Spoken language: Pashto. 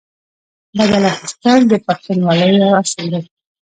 بدل اخیستل د پښتونولۍ یو اصل دی.